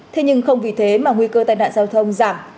thế nhưng không vì thế mà nguy cơ tai nạn giao thông giảm